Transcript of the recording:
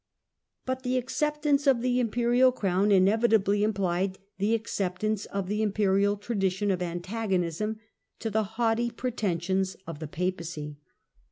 But the acceptance of otto iv. ^"^ Til , at Rome, of the imperial crown inevitably implied the acceptance 1209 of the imperial tradition of antagonism to the haughty pretensions of the Papacy.